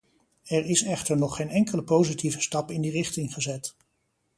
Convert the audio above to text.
Er is echter nog geen enkele positieve stap in die richting gezet.